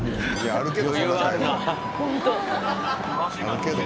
あるけど。